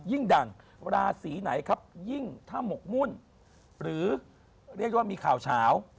ยิ่งดังราศีไหนครับยิ่งถ้าหมกมุ่นหรือเรียกได้ว่ามีข่าวเฉา